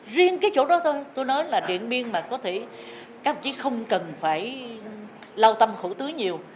riêng cái chỗ đó thôi tôi nói là điện biên mà có thể các ông chí không cần phải lau tâm khổ tứ nhiều